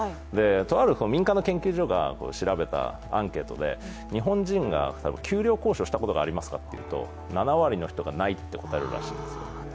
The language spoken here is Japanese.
とある民間の研究所が調べたアンケートで日本人が給料交渉をしたことがありますかって聞くと７割の人がないと答えるらしいんですよ。